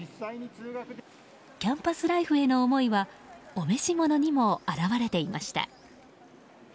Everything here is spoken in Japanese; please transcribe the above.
キャンパスライフへの思いはお召し物にも表れていました。